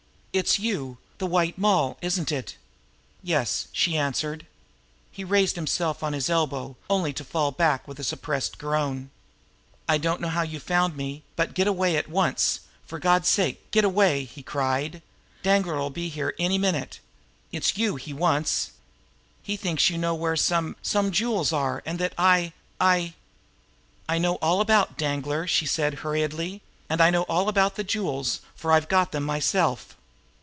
"It's you, the White Moll, isn't it?" "Yes," she answered. He raised himself up on his elbow, only to fall back with a suppressed groan. "I don't know how you found me, but get away at once for God's sake, get away!" he cried. "Danglar'll be here at any minute. It's you he wants. He thinks you know where some some jewels are, and that I I " "I know all about Danglar," she said hurriedly. "And I know all about the jewels, for I've got them myself."